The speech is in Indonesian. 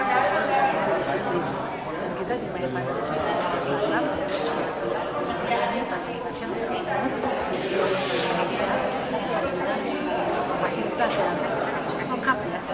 maka kita melalui secara kompensif dan secara holistik